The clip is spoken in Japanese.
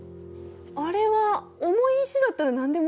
あれは重い石だったら何でもいいんじゃないの。